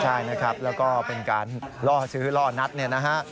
ใช่นะครับแล้วก็เป็นการล่อซื้อล่อนัดเนี่ยนะฮะ